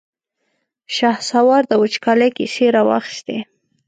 شهسوار د وچکالۍ کيسې را واخيستې.